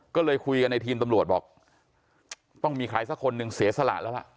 ก็เลยคุยกันในทีมตำรวจบอกต้องมีใครสักคนหนึ่งเสียสละแล้วล่ะ